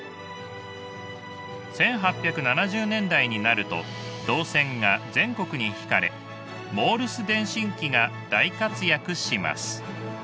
１８７０年代になると銅線が全国にひかれモールス電信機が大活躍します。